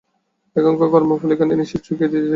এখানকার কর্মফল এখানেই নিঃশেষে চুকিয়ে দিয়ে যেতে হবে।